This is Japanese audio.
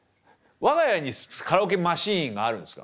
我が家にカラオケマシーンがあるんですか？